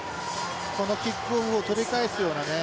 このキックオフを取り返すようなね